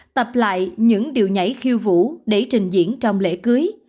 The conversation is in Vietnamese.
tập lại những điệu nhảy khiêu vũ để trình diễn trong lễ cưới